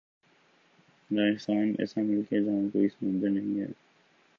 افغانستان ایسا ملک ہے جہاں کوئی سمندر نہیں ہے